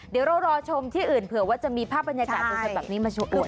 เดี๋ยวเรารอชมที่อื่นเผื่อว่าจะมีภาพบรรยากาศสดแบบนี้มาชมด้วย